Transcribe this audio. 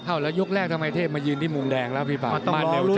เอาแล้วยกแรกทำไมเทพมายืนที่มุมแดงแล้วพี่ป่า